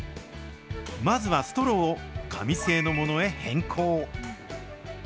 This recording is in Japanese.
まずはストローを紙製のものへ変更。